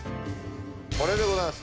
これでございます。